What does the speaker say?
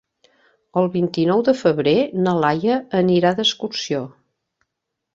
El vint-i-nou de febrer na Laia anirà d'excursió.